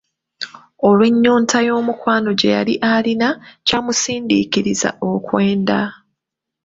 Olw'ennyonta y'omukwano gye yali alina, kyamusindiikiriza okwenda.